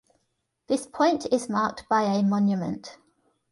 This point is marked by a monument.